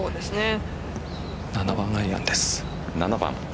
７番アイアンです。